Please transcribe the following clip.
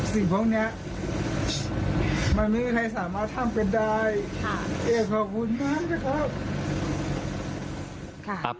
สิ่งพวกเนี้ยมันไม่มีใครสามารถทำเป็นได้ค่ะขอบคุณมากนะครับ